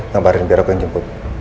gambarin biar aku yang jemput